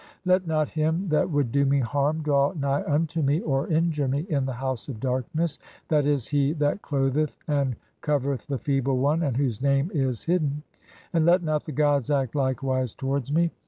"(4) Let not him that would do me harm draw nigh unto me, "or injure (?) me, in the House of Darkness, that is, he that "clotheth and covereth the feeble one, and whose [name] is "hidden ; (5) and let not the gods act likewise towards me.